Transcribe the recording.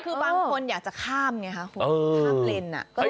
คือบางคนอยากจะข้ามเนี่ยฮะข้ามเลนอะ